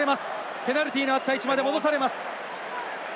ペナルティーのあった位置まで戻されます。